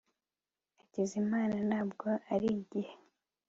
hakizimana ntabwo arigihe